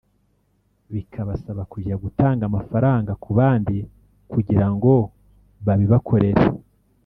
bikabasaba kujya gutanga amafaranga ku bandi kugira ngo babibakorere”